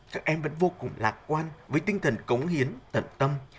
các em vẫn vô cùng lạc quan với tinh thần cống hiến tận tâm